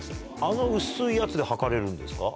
あの薄いやつで測れるんですか？